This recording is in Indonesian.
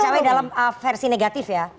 itu cawe cawe dalam versi negatif ya